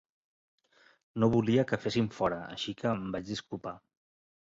No volia que fessin fora, així que em vaig disculpar.